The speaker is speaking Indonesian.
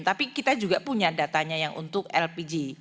tapi kita juga punya datanya yang untuk lpg